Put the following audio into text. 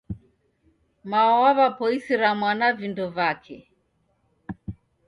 Mao waw'apoisira mwana vindo vake